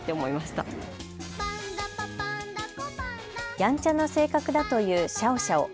やんちゃな性格だとシャオシャオ。